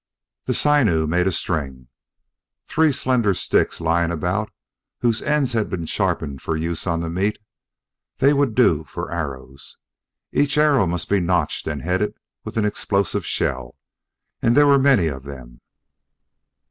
The sinew made a string. Three slender sticks lying about whose ends had been sharpened for use on the meat: they would do for arrows. Each arrow must be notched and headed with an explosive shell, and there were many of them.